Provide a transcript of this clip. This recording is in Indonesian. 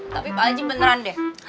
tapi pak anjing beneran deh